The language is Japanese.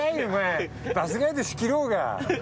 バスガイド仕切ろうが。